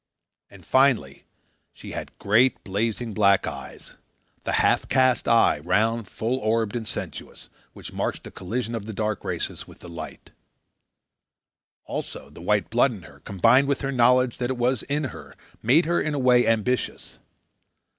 And, finally, she had great, blazing black eyes the half caste eye, round, full orbed, and sensuous, which marks the collision of the dark races with the light. Also, the white blood in her, combined with her knowledge that it was in her, made her, in a way, ambitious.